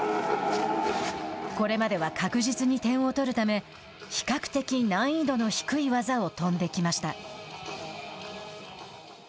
これまでは確実に点を取るため比較的、難易度の低い技を飛んできました。